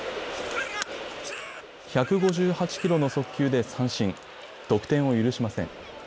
１５８キロの速球で三振、得点を許しません。